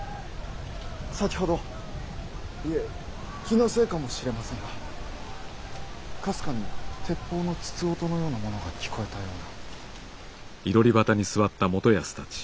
先ほどいえ気のせいかもしれませんがかすかに鉄砲の筒音のようなものが聞こえたような。